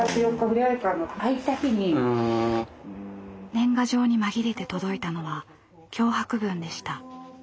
年賀状に紛れて届いたのは脅迫文でした。